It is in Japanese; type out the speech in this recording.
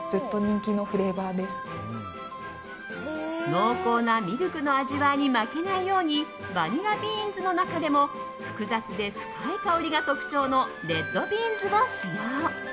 濃厚なミルクの味わいに負けないようにバニラビーンズの中でも複雑で深い香りが特徴のレッドビーンズを使用。